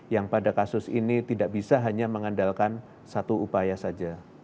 yang pada kasus ini tidak bisa hanya mengandalkan satu upaya saja